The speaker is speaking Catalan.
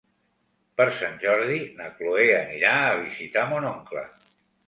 Per Sant Jordi na Cloè anirà a visitar mon oncle.